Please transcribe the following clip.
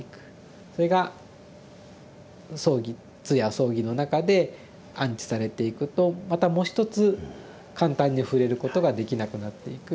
それが葬儀通夜葬儀の中で安置されていくとまたもう一つ簡単に触れることができなくなっていく。